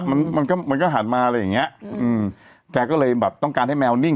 มันมันก็มันก็หันมาอะไรอย่างเงี้ยอืมแกก็เลยแบบต้องการให้แมวนิ่ง